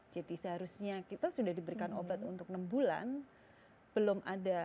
jadi seharusnya kita sudah diberikan obat untuk enam bulan belum ada